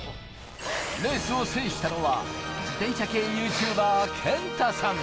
レースを制したのは自転車系ＹｏｕＴｕｂｅｒ・けんたさん。